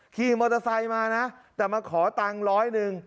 เราสายมานะแต่มาขอตังค์ร้อยนึง